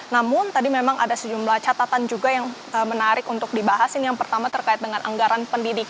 namun tadi memang ada sejumlah catatan juga yang menarik untuk dibahas ini yang pertama terkait dengan anggaran pendidikan